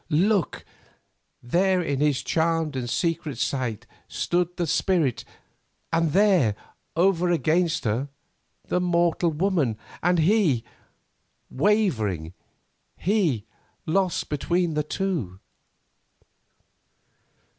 Look! there in his charmed and secret sight stood the spirit, and there, over against her, the mortal woman, and he—wavering—he lost between the two.